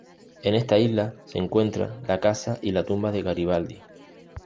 En esta isla se encuentra la casa y la tumba de Garibaldi.